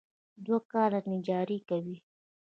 دوه کاله نجاري کوم.